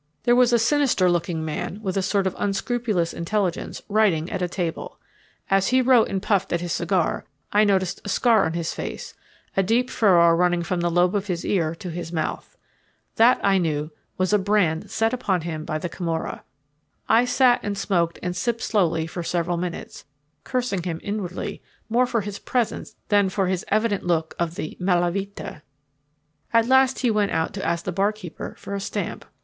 There was a sinister looking man, with a sort of unscrupulous intelligence, writing at a table. As he wrote and puffed at his cigar, I noticed a scar on his face, a deep furrow running from the lobe of his ear to his mouth. That, I knew, was a brand set upon him by the Camorra. I sat and smoked and sipped slowly for several minutes, cursing him inwardly more for his presence than for his evident look of the "mala vita." At last he went out to ask the barkeeper for a stamp.